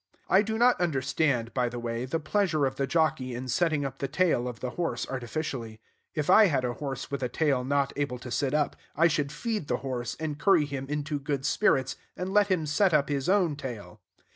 I do not understand, by the way, the pleasure of the jockey in setting up the tail of the horse artificially. If I had a horse with a tail not able to sit up, I should feed the horse, and curry him into good spirits, and let him set up his own tail.